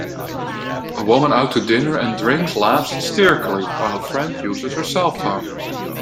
A woman out to dinner and drinks laughs hysterically while her friend uses her cellphone.